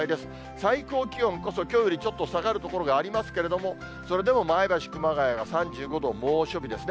最高気温こそきょうよりちょっと下がる所がありますけれども、それでも前橋、熊谷が３５度、猛暑日ですね。